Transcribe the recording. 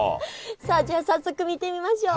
さあじゃあ早速見てみましょう。